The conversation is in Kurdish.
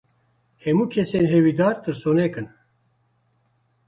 Hemû kesên hêvîdar tirsonek in.